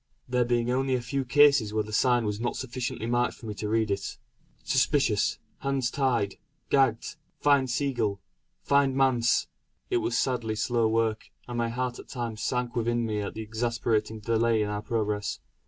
There being only a few cases where the sign was not sufficiently marked for me to read it. "Suspicious. Hands tied gagged find Seagull find Manse." It was sadly slow work, and my heart at times sank within me at the exasperating delay in our progress.